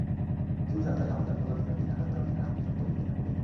School শাখায় আমার চারুকলা বিষয়টি থাকার কারণে আঁকাআঁকির সঙ্গে লেগে থাকতে পেরেছি।